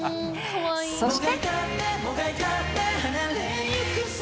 そして。